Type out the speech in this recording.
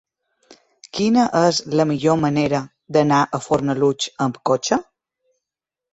Quina és la millor manera d'anar a Fornalutx amb cotxe?